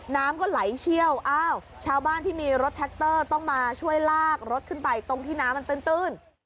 น้ำก็ไหลเชี่ยวอ้าวชาวบ้านที่มีรถแท็กเตอร์ต้องมาช่วยลากรถขึ้นไปตรงที่น้ำมันตื้น